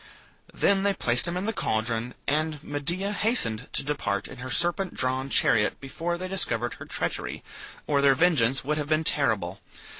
Then they placed him in the caldron, and Medea hastened to depart in her serpent drawn chariot before they discovered her treachery, or their vengeance would have been terrible.